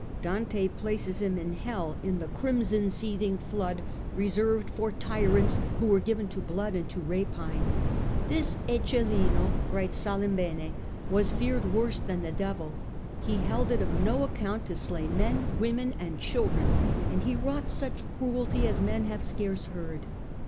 Dante places him in Hell, in * the 132 STUPOR MUNDI crimson seething flood ' reserved for tyrants who were given to blood and to rapine. " This Eccelin," writes Salimbene, " was feared worse than the Devil : he held it of no account to slay men, women and children, and he wrought such cruelty as men have scarce heard.